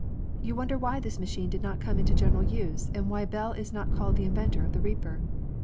You wonder why this machine did not come into general use, and why Bell is not called the inventor of the reaper.